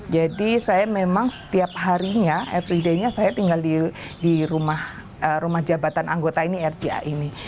jadi saya memang setiap harinya everyday nya saya tinggal di rumah jabatan anggota ini rga ini